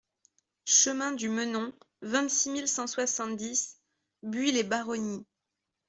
Chemin du Menon, vingt-six mille cent soixante-dix Buis-les-Baronnies